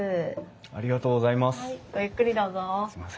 ありがとうございます。